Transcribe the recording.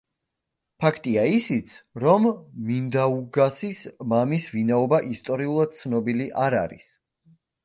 ფაქტია ისიც, რომ მინდაუგასის მამის ვინაობა ისტორიულად ცნობილი არ არის.